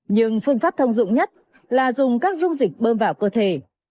nhưng phương pháp thông dụng nhất là dùng các dung dịch bơm vào cơ thể